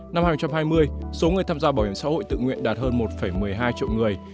năm hai nghìn hai mươi số người tham gia bảo hiểm xã hội tự nguyện đạt hơn một một mươi hai triệu người